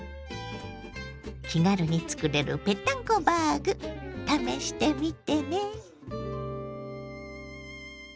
気軽につくれるぺったんこバーグ試してみてね。